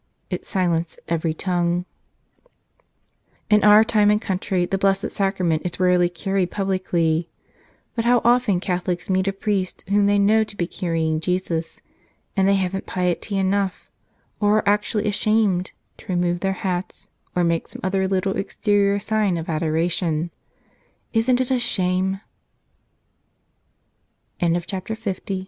It silenced every tongue. In our time and country the Blessed Sacrament is rarely carried publicly. But how often Catholics meet a priest whom they know to be carrying Jesus, and they haven't piety enough — or are actually ashamed — to remove their hats or make some other little exterior sign of